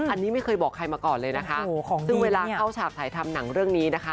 อันนี้ไม่เคยบอกใครมาก่อนเลยนะคะซึ่งเวลาเข้าฉากถ่ายทำหนังเรื่องนี้นะคะ